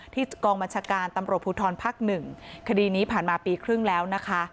ที่กองบัญชาการตำรวจภูทรภักดิ์๑คดีนี้ผ่านมาปีครึ่งแล้วนะคะ